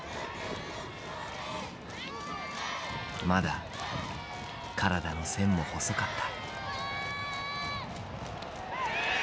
まだ体の線も細かった。